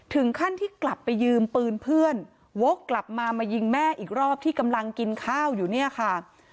ถึงขั้นที่กลับไปยืมปืนเพื่อนวกกลับมามายิงแม่อีกรอบที่กำลังกินข้าวอยู่เนี่ยค่ะ